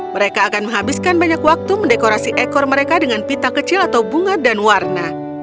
mereka akan menghabiskan banyak waktu mendekorasi ekor mereka dengan pita kecil atau bunga dan warna